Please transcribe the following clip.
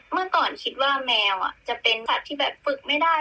เมื่อก่อนคิดว่าแมวจะเป็นสัตว์ที่แบบฝึกไม่ได้